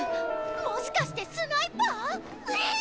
もしかしてスナイパー⁉ええっ⁉